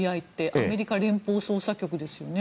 アメリカ連邦捜査局ですよね。